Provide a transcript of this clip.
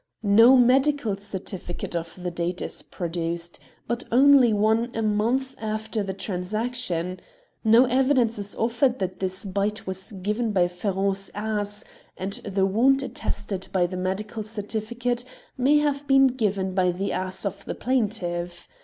No medical certificate of the date is produced, but only one a month after the transaction. No evidence is offered that this bite was given by Perron's ass, and the wound attested by the medical certificate may have been given by the ass of the plaintiff.